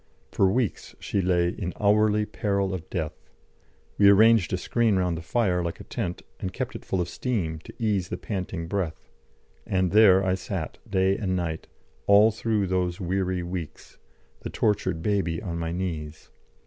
For weeks she lay in hourly peril of death We arranged a screen round the fire like a tent, and kept it full of steam to ease the panting breath; and there I sat, day and night, all through those weary weeks, the tortured baby on my knees.